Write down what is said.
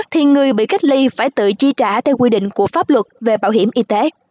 thì người bị cách ly phải tự chi trả theo quy định của pháp luật về bảo hiểm y tế